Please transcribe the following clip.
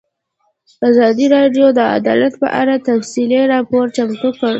ازادي راډیو د عدالت په اړه تفصیلي راپور چمتو کړی.